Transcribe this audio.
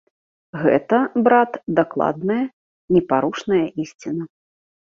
Гэта, брат, дакладная, непарушная ісціна.